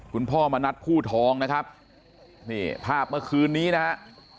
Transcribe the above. คุณพ่อมณัฐผู้ทองนะครับนี่ภาพเมื่อคืนนี้นะฮะ